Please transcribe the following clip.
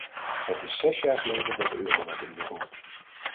Het is zes jaar geleden dat de euro werd ingevoerd.